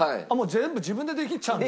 全部自分でできちゃうんだ。